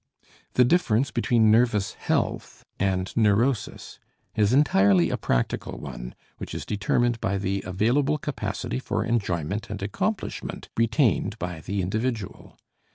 The difference between nervous health and neurosis is entirely a practical one which is determined by the available capacity for enjoyment and accomplishment retained by the individual.